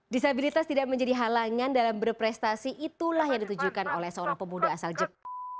disabilitas tidak menjadi halangan dalam berprestasi itulah yang ditujukan oleh seorang pemuda asal jepang